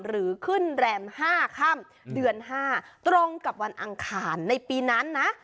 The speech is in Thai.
หรือขึ้นแรม๕ค่ำเดือน๕ตรงกับวันอังคารในปีนั้นนะ